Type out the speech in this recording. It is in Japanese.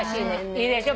いいでしょ？